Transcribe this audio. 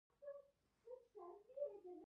دا د راډیو کاربن په وسیله معلومولای شو